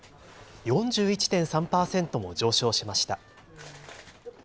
４１．３％も上昇しました。